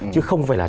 chứ không phải là